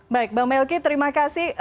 baik bang melki terima kasih